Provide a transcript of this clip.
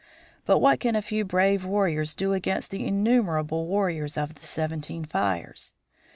But what can a few brave warriors do against the innumerable warriors of the Seventeen Fires?